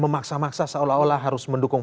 memaksa maksa seolah olah harus mendukung